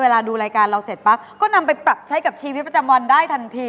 ดูรายการเราเสร็จปั๊บก็นำไปปรับใช้กับชีวิตประจำวันได้ทันที